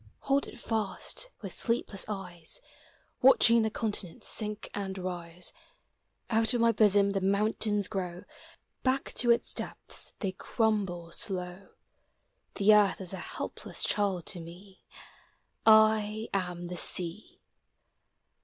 Hold it fast with sleepless eyes, Watching the continents sink and rise. Out of my bosom the mountains grow, 420 POEMS OF NATURE. Back to its depths they crumble slow : The earth is a helpless child to me — I am the Sea!